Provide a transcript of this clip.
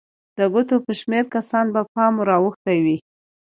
د ګوتو په شمېر کسانو به پام ور اوښتی وي.